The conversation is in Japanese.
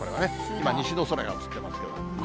今、西の空が映ってますけど。